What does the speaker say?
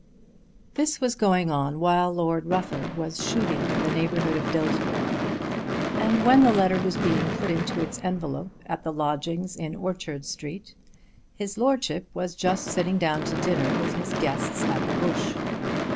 This was going on while Lord Rufford was shooting in the neighbourhood of Dillsborough; and when the letter was being put into its envelope at the lodgings in Orchard Street, his Lordship was just sitting down to dinner with his guests at the Bush.